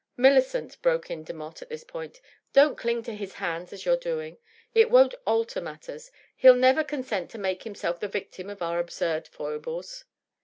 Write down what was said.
" Millicent," broke in Demotte at this point, " don't cling to his hand as you're doing. It won't alter matters. He'll never consent to make himself the victim of our absurd foibles."